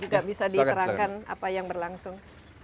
jika bisa diterapkan apa yang berlangsung